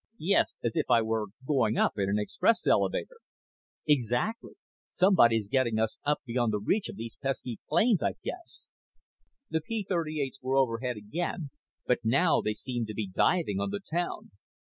"Yes. As if I were going up in an express elevator." "Exactly. Somebody's getting us up beyond the reach of these pesky planes, I'd guess." The P 38's were overhead again, but now they seemed to be diving on the town.